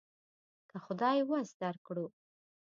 که خدای وس درکړو.